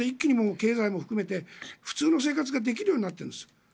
経済も含めて普通の生活ができるようになっているんです。